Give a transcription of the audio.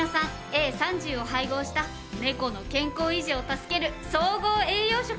ー３０を配合した猫の健康維持を助ける総合栄養食。